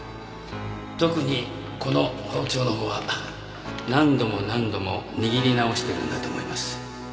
特にこの包丁のほうは何度も何度も握り直してるんだと思います。